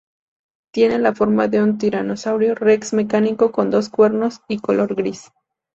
Tiene la forma de un Tiranosaurio Rex mecánico con dos cuernos y color gris.